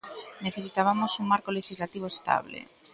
Necesitabamos un marco lexislativo estable.